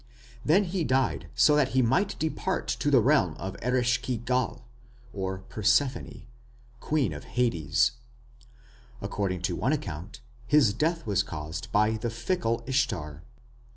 Then he died so that he might depart to the realm of Eresh ki gal (Persephone), queen of Hades. According to one account, his death was caused by the fickle Ishtar.